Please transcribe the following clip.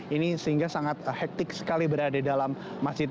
ini sehingga sangat hektik sekali berada di dalam masjid